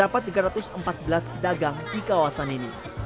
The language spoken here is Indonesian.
terdapat tiga ratus empat belas pedagang di kawasan ini